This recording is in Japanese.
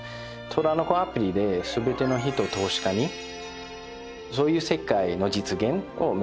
「トラノコ」アプリで全ての人を投資家にそういう世界の実現を目指したいと思います。